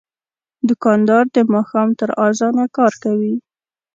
دوکاندار د ماښام تر اذانه کار کوي.